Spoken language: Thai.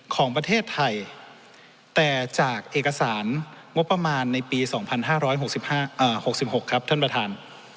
ของประเทศไทยแต่จากเอกสารงบประมาณในปี๒๕๖๖ครับท่านประธาน